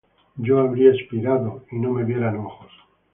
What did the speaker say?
Habría yo espirado, y no me vieran ojos.